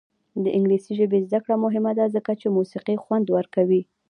د انګلیسي ژبې زده کړه مهمه ده ځکه چې موسیقي خوند ورکوي.